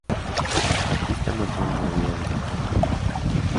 Batista mantiene una vida digital actualizada.